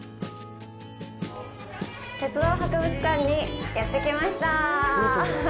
鉄道博物館にやってきました。